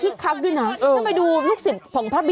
ชอบหน่อยกินยังไง